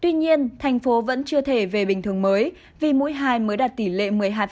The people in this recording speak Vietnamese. tuy nhiên thành phố vẫn chưa thể về bình thường mới vì mũi hai mới đạt tỷ lệ một mươi hai